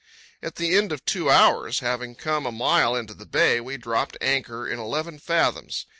At the end of two hours, having come a mile into the bay, we dropped anchor in eleven fathoms.